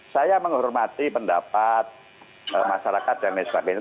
saya menghormati pendapat masyarakat dan lain sebagainya